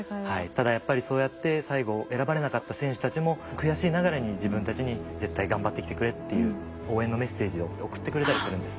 ただやっぱりそうやって最後選ばれなかった選手たちも悔しいながらに自分たちに絶対頑張ってきてくれっていう応援のメッセージを送ってくれたりするんですね。